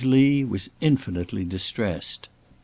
Lee was infinitely distressed.